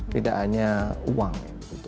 tidak hanya uang